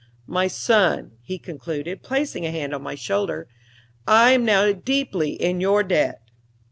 My son," he concluded, placing a hand on my shoulder, "I am now deeply in your debt."